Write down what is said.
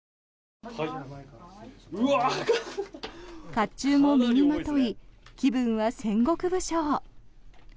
甲冑も身にまとい気分は戦国武将。